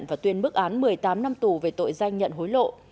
và tuyên bức án một mươi tám năm tù về tội danh nhận hối lộ